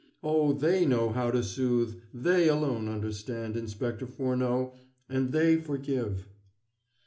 Oh, they know how to soothe; they alone understand, Inspector Furneaux, and they forgive."